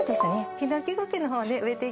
ヒノキゴケの方植えていきます。